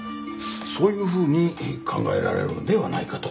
そういうふうに考えられるのではないかと。